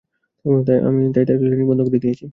তাই তার ক্লিনিক বন্ধ করে দিয়েছি।